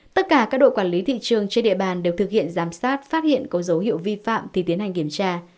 tất cả các đội quản lý thị trường trên địa bàn đều thực hiện giám sát phát hiện có dấu hiệu vi phạm thì tiến hành kiểm tra